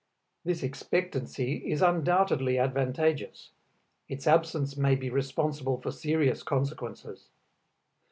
This expectancy is undoubtedly advantageous; its absence may be responsible for serious consequences.